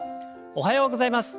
おはようございます。